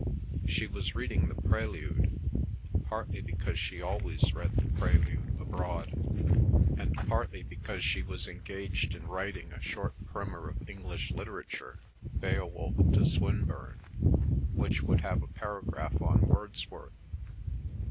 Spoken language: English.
She was reading the "Prelude," partly because she always read the "Prelude" abroad, and partly because she was engaged in writing a short Primer of English Literature—Beowulf to Swinburne—which would have a paragraph on Wordsworth.